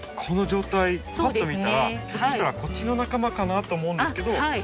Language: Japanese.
この状態パッと見たらひょっとしたらこっちの仲間かなと思うんですけど。